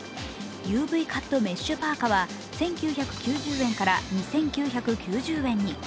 ＵＶカットメッシュパーカは１９９０円から２９９０円に。